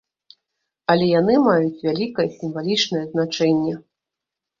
Але яны маюць вялікае сімвалічнае значэнне.